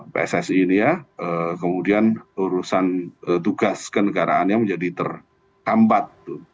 pssi ini ya kemudian urusan tugas kenegaraannya menjadi terhambat